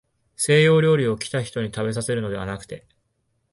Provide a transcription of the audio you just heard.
西洋料理を、来た人にたべさせるのではなくて、